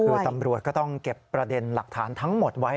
คือตำรวจก็ต้องเก็บประเด็นหลักฐานทั้งหมดไว้